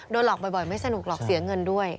หลอกบ่อยไม่สนุกหรอกเสียเงินด้วย